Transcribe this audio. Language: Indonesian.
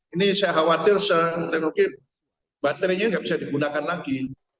ini saya khawatir teknologi baterainya nggak bisa digunakan lagi